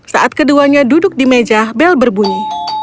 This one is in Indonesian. saat keduanya duduk di meja bel berbunyi